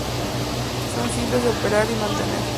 Son simples de operar y mantener.